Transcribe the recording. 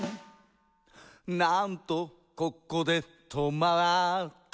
「なんとここで止まったか」